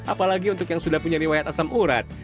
apalagi untuk yang sudah punya riwayat asam urat